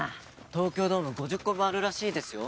東京ドーム５０個分あるらしいですよ。